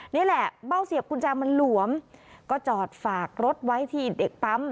เบ้าเสียบกุญแจมันหลวมก็จอดฝากรถไว้ที่เด็กปั๊ม